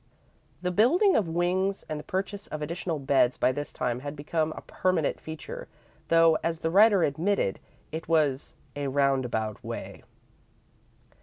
The building of wings and the purchase of additional beds by this time had become a permanent feature, though, as the writer admitted, it was "a roundabout way."